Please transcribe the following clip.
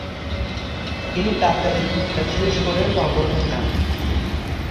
তিনি ডাক্তারি বিদ্যা শেষ করে লন্ডন যান।